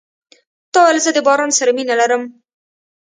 تا ویل زه د باران سره مینه لرم .